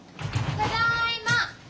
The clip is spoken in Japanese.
ただいま。